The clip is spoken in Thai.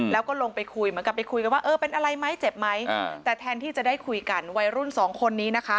แล้วก็ลงไปคุยเหมือนกับไปคุยกันว่าเออเป็นอะไรไหมเจ็บไหมแต่แทนที่จะได้คุยกันวัยรุ่นสองคนนี้นะคะ